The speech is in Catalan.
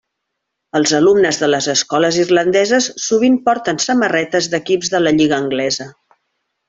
Els alumnes de les escoles irlandeses sovint porten samarretes d'equips de la lliga anglesa.